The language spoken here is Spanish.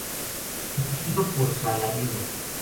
Protegido por Saladino.